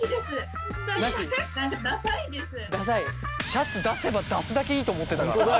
シャツ出せば出すだけいいと思ってたからね。